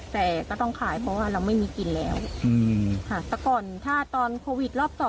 แต่ก็ต้องขายเพราะว่าเราไม่มีกินแล้วค่ะแต่ก่อนถ้าตอนโควิดรอบ๒